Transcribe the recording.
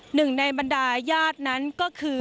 หนึ่งในบรรดาญาตินั้นก็คือ